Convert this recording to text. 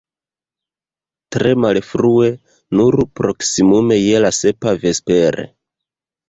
Tre malfrue, nur proksimume je la sepa vespere.